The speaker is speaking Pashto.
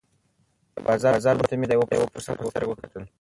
د بازار بدلون ته مې د یوه فرصت په سترګه وکتل.